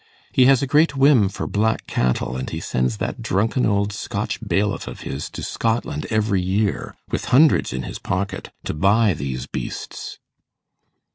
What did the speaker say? He has a great whim for black cattle, and he sends that drunken old Scotch bailiff of his to Scotland every year, with hundreds in his pocket, to buy these beasts.